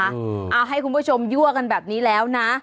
เอาให้คุณผู้ชมยั่วกันแบบนี้แล้วนะ